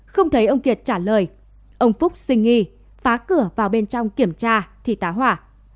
không thấy ông kiệt trả lời ông phúc sinh nghi phá cửa vào bên trong kiểm tra thì tá hỏa